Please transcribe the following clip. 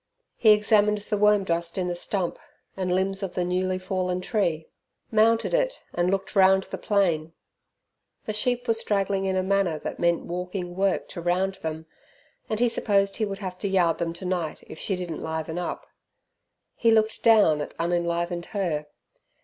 He examined the worm dust in the stump and limbs of the newly fallen tree; mounted it and looked round the plain. The sheep were straggling in a manner that meant walking work to round them, and he supposed he would have to yard them tonight, if she didn't liven up. He looked down at unenlivened her.